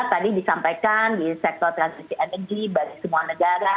tadi disampaikan di sektor transisi energi bagi semua negara